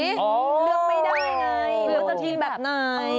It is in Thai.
โอ้โหเลือกไม่ได้ไงเลือกตัวที่แบบไหน